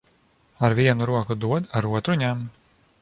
Ar vienu roku dod, ar otru ņem.